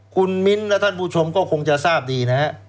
คุณมิ้นท์และท่านผู้ชมก็คงจะทราบดีนะฮะ